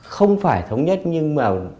không phải thống nhất nhưng mà